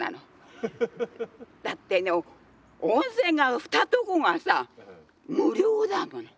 だってね温泉が二とこがさ無料だもの。